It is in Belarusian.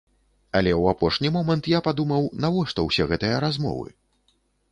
Але ў апошні момант я падумаў, навошта ўсе гэтыя размовы?